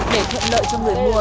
để thuận lợi cho người mua